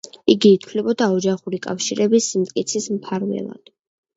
იგი ითვლებოდა ოჯახური კავშირების სიმტკიცის მფარველად.